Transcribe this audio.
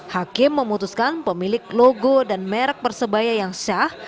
hakim memutuskan pemilik logo dan merk persebaya yang sah